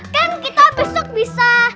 kan kita besok bisa